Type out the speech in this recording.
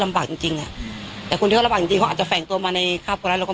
ลำบากจริงจริงอ่ะแต่คนที่ก็ลำบากจริงจริงเขาอาจจะแฝ่งตัวมาในคราบคร้ายเราก็